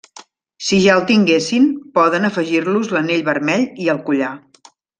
Si ja el tinguessin, poden afegir-los l'anell vermell i el collar.